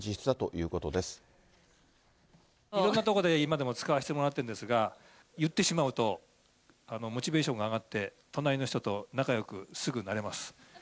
いろんなとこで今でも使わせてもらっているんですが、言ってしまうと、モチベーションが上がって、隣の人と仲よくすぐなれます。